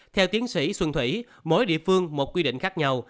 theo tiến sĩ xuân thủy mỗi địa phương một quy định khác nhau